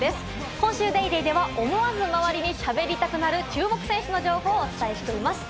今週『ＤａｙＤａｙ．』では、思わず周りにしゃべりたくなる注目選手の情報をお伝えしています。